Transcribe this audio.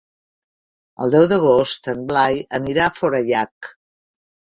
El deu d'agost en Blai anirà a Forallac.